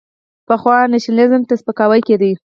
پخوا نېشنلېزم ته سپکاوی کېده.